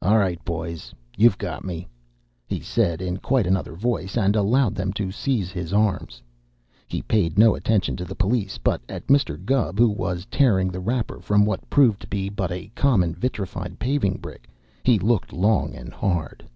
"All right, boys, you've got me," he said in quite another voice, and allowed them to seize his arms. He paid no attention to the police, but at Mr. Gubb, who was tearing the wrapper from what proved to be but a common vitrified paving brick, he looked long and hard.